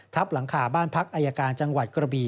หลังคาบ้านพักอายการจังหวัดกระบี